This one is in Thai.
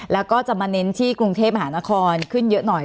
แล้วก็จะมาเน้นที่กรุงเทพมหานครขึ้นเยอะหน่อย